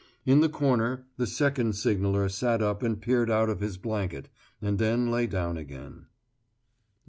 In the corner, the second signaller sat up and peered out of his blanket, and then lay down again.